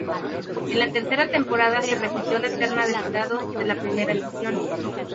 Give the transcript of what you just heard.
En la tercera temporada se repitió la terna de jurados de la primera emisión.